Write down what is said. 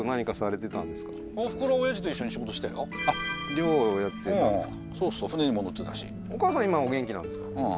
漁をやってたんですか？